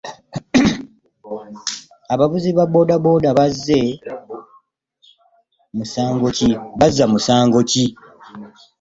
Abavuzi ba boda bazza musango ki?